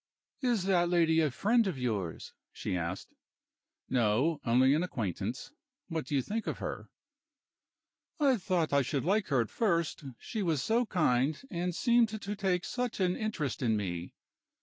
"Is that lady a friend of yours?" she asked. "No; only an acquaintance. What do you think of her?" "I thought I should like her at first; she was so kind, and seemed to take such an interest in me.